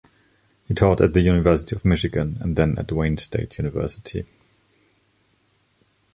He taught at the University of Michigan and then at Wayne State University.